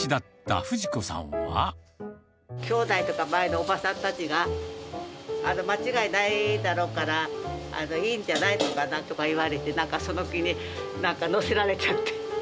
きょうだいとか、周りのおばさんたちが、間違いないだろうから、いいんじゃないとか、何とか言われて、なんかその気に、なんか乗せられちゃって。